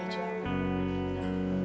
ini udah jam